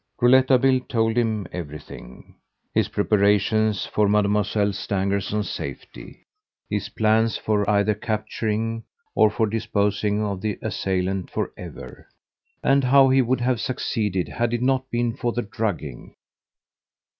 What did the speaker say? Rouletabille told him everything: his preparations for Mademoiselle Stangerson's safety; his plans for either capturing or for disposing of the assailant for ever; and how he would have succeeded had it not been for the drugging.